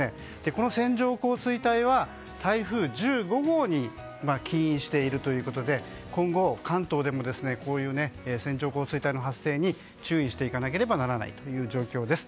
この線状降水帯は台風１５号に起因しているということで今後、関東でもこういう線状降水帯の発生に注意していかなければならない状況です。